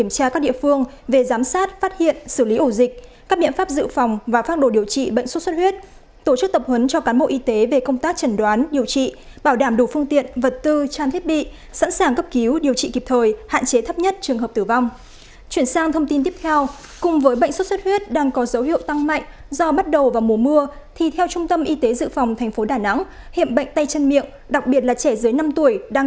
các biện pháp dự phòng và phát đồ điều trị bệnh xuất xuất huyết tổ chức tập huấn cho cán bộ y tế về công tác trần đoán điều trị bảo đảm đủ phương tiện vật tư trang thiết bị sẵn sàng cấp cứu điều trị bảo đảm đủ phương tiện vật tư trang thiết bị sẵn sàng cấp cứu điều trị bảo đảm đủ phương tiện